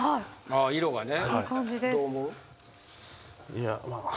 色がね。